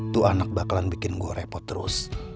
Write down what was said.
tuh anak bakalan bikin gue repot terus